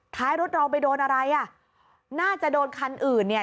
ท้ายรถเราไปโดนอะไรอ่ะน่าจะโดนคันอื่นเนี่ย